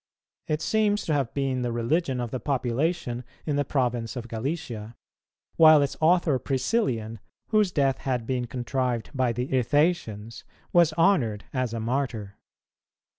It seems to have been the religion of the population in the province of Gallicia, while its author Priscillian, whose death had been contrived by the Ithacians, was honoured as a Martyr.